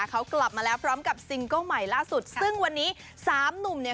เขากลับมาแล้วพร้อมกับซิงเกิ้ลใหม่ล่าสุดซึ่งวันนี้สามหนุ่มเนี่ย